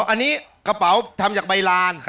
อันนี้กระเป๋าทำจากใบลาน